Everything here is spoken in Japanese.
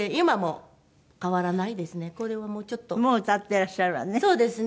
もう歌ってらっしゃるわね。